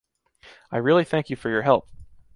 I really thank you for your help.